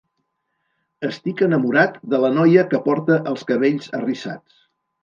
Estic enamorat de la noia que porta els cabells arrissats.